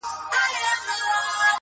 د غني ـ غني خوځښته قدم اخله!